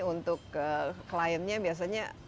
untuk kliennya biasanya